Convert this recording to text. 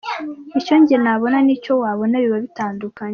Icyo njye nabona n’icyo wabona biba bitandukanye.